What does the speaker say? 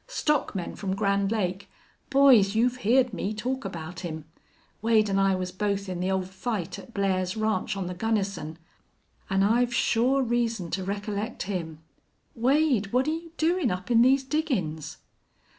"Stockmen from Grand Lake.... Boys, you've heerd me talk about him. Wade an' I was both in the old fight at Blair's ranch on the Gunnison. An' I've shore reason to recollect him!... Wade, what're you doin' up in these diggin's?"